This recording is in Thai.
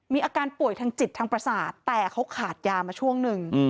มีอาการป่วยทางจิตทางประสาทแต่เขาขาดยามาช่วงหนึ่ง